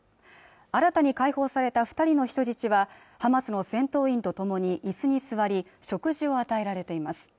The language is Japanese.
新たに解放された二人の人質はハマスの戦闘員とともに椅子に座り食事を与えられています